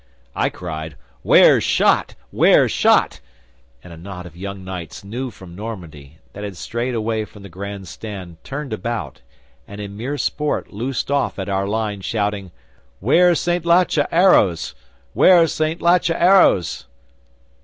'I cried, "'Ware shot! 'Ware shot!" and a knot of young knights new from Normandy, that had strayed away from the Grand Stand, turned about, and in mere sport loosed off at our line shouting: "'Ware Santlache arrows! 'Ware Santlache arrows!"